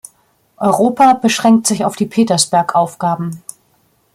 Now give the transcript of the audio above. Europa beschränkt sich auf die Petersberg-Aufgaben.